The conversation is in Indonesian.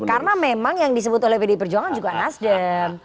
karena memang yang disebut oleh pd perjuangan juga nasdem